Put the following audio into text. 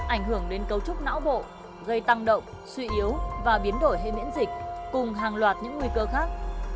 ảnh hưởng đến cấu trúc não bộ gây tăng động suy yếu và biến đổi hệ miễn dịch cùng hàng loạt những nguy cơ khác